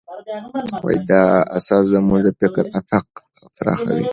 دا اثر زموږ د فکر افق پراخوي.